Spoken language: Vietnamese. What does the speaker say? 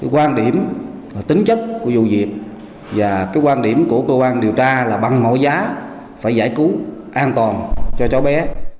quan điểm và tính chất của vụ diệt và quan điểm của cơ quan điều tra là bằng mọi giá phải giải cứu an toàn cho cháu bé